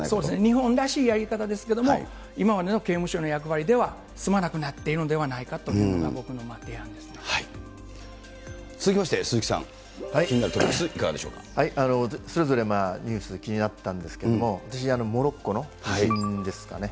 日本らしいやり方ですけれども、今までの刑務所の役割では済まなくなっているのではないかというのが、続きまして鈴木さん、気になそれぞれ、ニュース気になったんですけども、私、モロッコの地震ですかね。